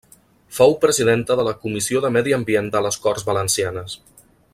Fou presidenta de la Comissió de Medi Ambient de les Corts Valencianes.